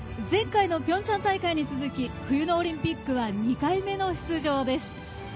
前回のピョンチャン大会に続き冬のオリンピックは２回目の出場です。